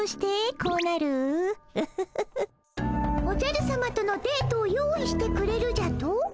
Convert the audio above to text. おじゃるさまとのデートを用意してくれるじゃと？